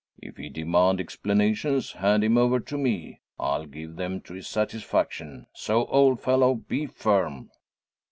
"If he demand explanations, hand him over to me. I'll give them to his satisfaction. So, old fellow, be firm!"